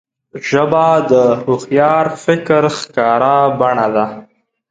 ژبه د هوښیار فکر ښکاره بڼه ده